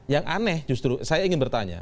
yang aneh justru saya ingin bertanya